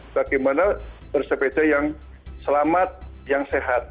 bagaimana bersepeda yang selamat yang sehat